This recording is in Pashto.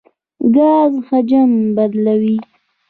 ګاز حجم بدلوي.